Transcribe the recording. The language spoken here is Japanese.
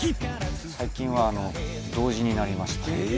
最近は同時になりました。